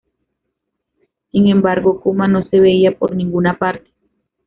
Sin embargo, Kuma no se veía por ninguna parte.